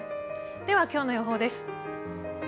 では今日の予報です。